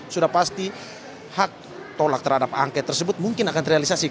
sudah pasti hak tolak terhadap angket tersebut mungkin akan terrealisasi